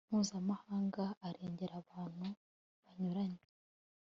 mpuzamahanga arengera abantu banyuranye